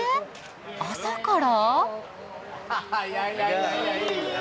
朝から？